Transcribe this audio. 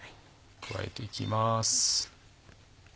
加えていきます。